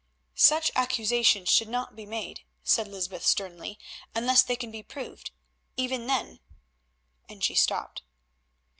"Such accusations should not be made," said Lysbeth sternly, "unless they can be proved. Even then——" and she stopped.